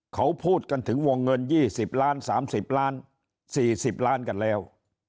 เขาพูดกันถึงวงเงิน๒๐ล้าน๓๐ล้าน๔๐ล้านกันแล้ว